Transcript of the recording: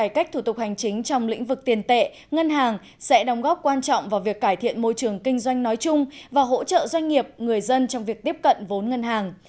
chúng tôi sẽ đồng góp quan trọng vào việc cải thiện môi trường kinh doanh nói chung và hỗ trợ doanh nghiệp người dân trong việc tiếp cận vốn ngân hàng